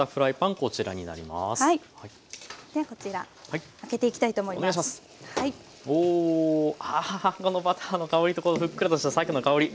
このバターの香りとこのふっくらとしたさけの香り。